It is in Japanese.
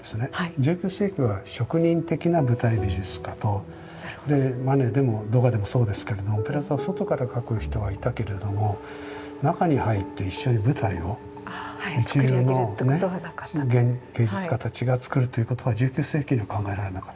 １９世紀は職人的な舞台美術家とマネでもドガでもそうですけれどもオペラ座を外から描く人はいたけれども中に入って一緒に舞台を一流の芸術家たちが作るということは１９世紀には考えられなかった。